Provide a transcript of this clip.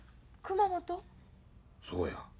そうや。